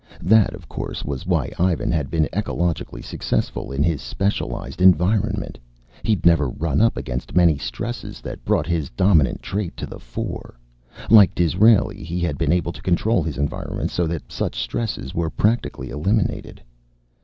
That, of course, was why Ivan had been ecologically successful in his specialized environment. He'd never run up against many stresses that brought his dominant trait to the fore. Like Disraeli, he had been able to control his environment so that such stresses were practically eliminated.